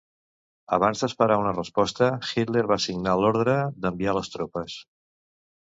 Abans d'esperar una resposta, Hitler va signar l'ordre d'enviar les tropes.